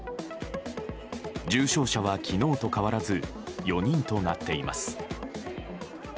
重症者は昨日と変わらず４人となっています。